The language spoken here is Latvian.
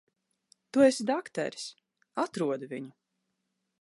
Tu esi dakteris. Atrodi viņu.